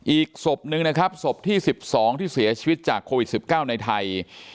อีกศพหนึ่งนะครับศพที่๑๒ที่เสียชีวิตจากโควิด๑๙ในไทย